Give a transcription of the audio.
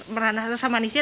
merana rasa manisnya